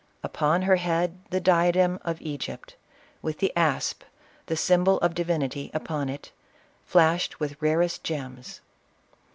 Upon her head the diadem of Egypt, with the asp, the emblem of divinity, upon it, flashed with rarest gems.